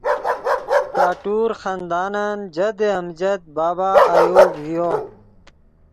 کٹور خاندانن جدِ امجد بابا ایوب ڤیو